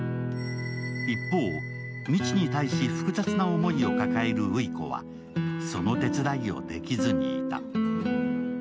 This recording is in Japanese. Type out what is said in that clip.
一方、道に対し複雑な思いを抱える羽衣子はその手伝いをできずにいた。